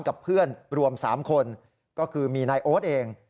กับเพื่อนรวม๓คนก็คือมีนายโอ๊ตเอง